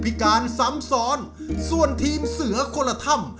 ผู้พิการสำสรรส่วนทีมเสือกละท่ำ